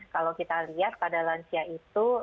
kalau kita lihat pada lansia itu